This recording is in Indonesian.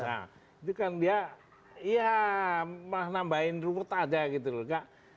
nah itu kan dia ya malah nambahin ruwet aja gitu loh